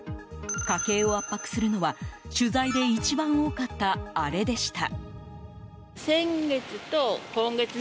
家計を圧迫するのは取材で一番多かったあれでした。